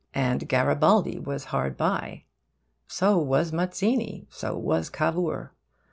And Garibaldi was hard by; so was Mazzini; so was Cavour.